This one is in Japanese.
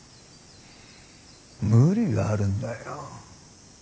無理があるんだよ。